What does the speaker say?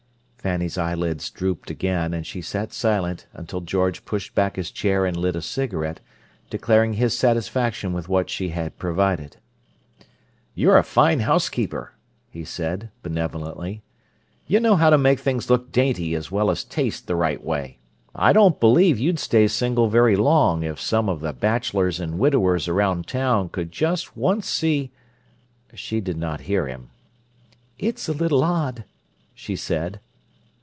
Fanny's eyelids drooped again, and she sat silent until George pushed back his chair and lit a cigarette, declaring his satisfaction with what she had provided. "You're a fine housekeeper," he said benevolently. "You know how to make things look dainty as well as taste the right way. I don't believe you'd stay single very long if some of the bachelors and widowers around town could just once see—" She did not hear him. "It's a little odd," she said.